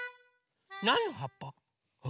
なんのはっぱ？